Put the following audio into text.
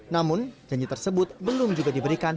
namun janji tersebut belum juga diberikan